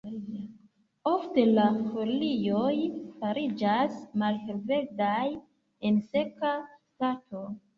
Ofte la folioj fariĝas malhelverdaj en seka stato.